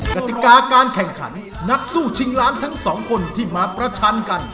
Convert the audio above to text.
กติกาการแข่งขันนักสู้ชิงล้านทั้งสองคนที่มาประชันกัน